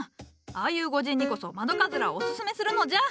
ああいう御仁にこそ窓かずらをおすすめするのじゃ。